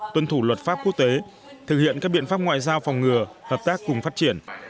tuân thủ luật pháp quốc tế thực hiện các biện pháp ngoại giao phòng ngừa hợp tác cùng phát triển